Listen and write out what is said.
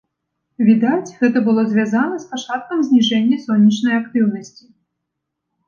Відаць, гэта было звязана з пачаткам зніжэння сонечнай актыўнасці.